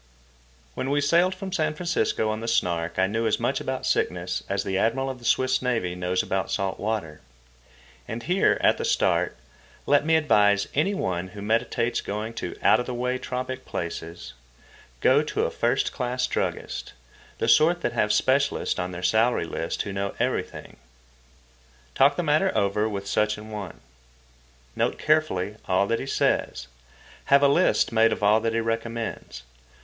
When we sailed from San Francisco on the Snark I knew as much about sickness as the Admiral of the Swiss Navy knows about salt water. And here, at the start, let me advise any one who meditates going to out of the way tropic places. Go to a first class druggist—the sort that have specialists on their salary list who know everything. Talk the matter over with such an one. Note carefully all that he says. Have a list made of all that he recommends.